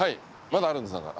まだあるんですか？